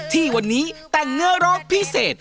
ที่วันนี้แต่งเนื้อร้องพิเศษ